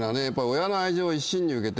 親の愛情を一身に受けて。